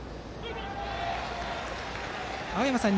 青山さん